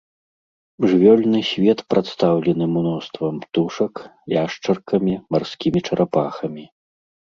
Жывёльны свет прадстаўлены мноствам птушак, яшчаркамі, марскімі чарапахамі.